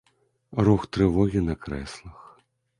Рух трывогі на крэслах.